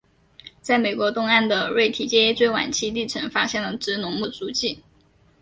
在美国东岸的瑞提阶最晚期地层发现了植龙目的足迹。